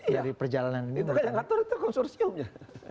iya itu kan yang mengatur konsorsiumnya